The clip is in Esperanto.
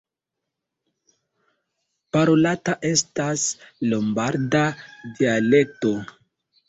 Parolata estas lombarda dialekto.